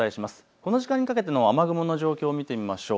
この時間の雨雲の状況、見てみましょう。